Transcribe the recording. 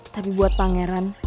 tapi buat pangeran